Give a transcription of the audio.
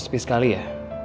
sepi sekali ya